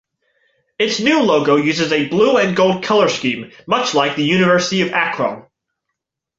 Its new logo uses a blue-and-gold color scheme, much like the University of Akron.